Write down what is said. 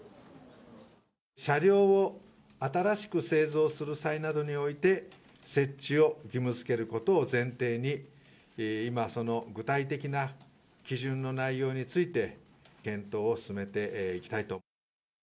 車両を新しく製造する際などにおいて、設置を義務づけることを前提に、今、その具体的な基準の内容について検討を進めていきたいと。